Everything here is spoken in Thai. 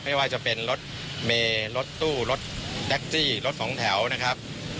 ไม่ว่ามันจะเป็นรถในเมย์รถตู้รถแด็คซีรถ๒แถวนะครับ